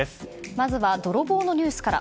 まずは泥棒のニュースから。